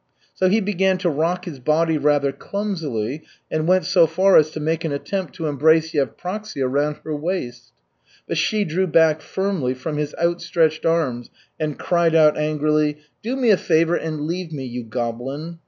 So he began to rock his body rather clumsily and went so far as to make an attempt to embrace Yevpraksia round her waist. But she drew back firmly from his outstretched arms and cried out angrily: "Do me a favor and leave me, you goblin!